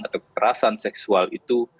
atau kekerasan seksual itu